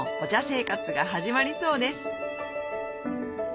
生活が始まりそうです